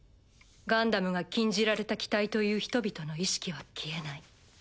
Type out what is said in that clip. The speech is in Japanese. ガンダムが禁じられた機体という人々の意識は消えない。